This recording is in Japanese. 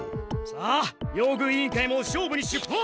さあ用具委員会も勝負に出発！